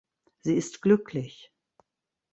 Sie ist glücklich.